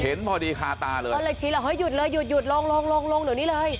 เห็นพอดีคาตาเลยเขาเลยชิดเหรอเฮ้ยหยุดเลยหยุดหยุดลงลงลงลงหลังนี้เลย